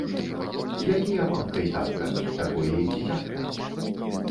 Якія мамка й татка, такое і дзіцятка.